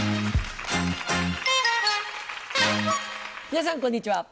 皆さんこんにちは。